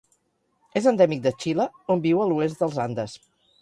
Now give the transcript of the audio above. És endèmic de Xile, on viu a l'oest dels Andes.